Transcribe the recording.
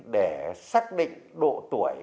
để xác định độ tuổi